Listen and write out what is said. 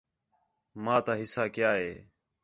ماں تا حِصہ کیا ہے